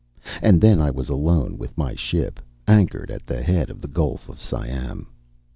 And then I was left alone with my ship, anchored at the head of the Gulf of Siam.